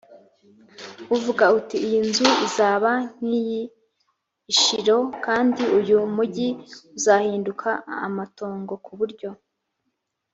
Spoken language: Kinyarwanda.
uvuga uti iyi nzu izaba nk iy i Shilo kandi uyu mugi uzahinduka amatongo ku buryo